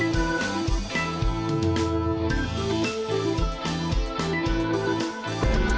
สวัสดีค่ะ